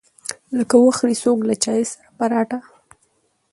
لکه وخوري څوک له چاى سره پراټه.